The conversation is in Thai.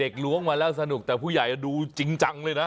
ล้วงมาแล้วสนุกแต่ผู้ใหญ่ดูจริงจังเลยนะ